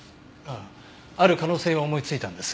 ある可能性を思いついたんです。